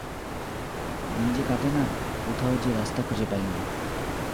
দিন যে কাটে না, কোথাও যে রাস্তা খুঁজে পাই নে।